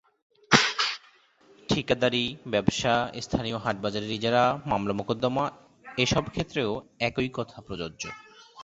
ঠিকাদারি, ব্যবসা, স্থানীয় হাট-বাজারের ইজারা, মামলা-মোকদ্দমা এসব ক্ষেত্রেও একই কথা প্রযোজ্য।